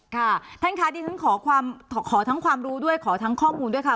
ค่ะท่านค่ะดิฉันขอทั้งความรู้ด้วยขอทั้งข้อมูลด้วยค่ะ